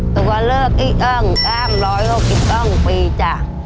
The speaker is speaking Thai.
ตัวเลือกที่๑๓๖๐ปีจ้ะ